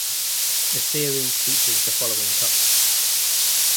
The series features the following casts.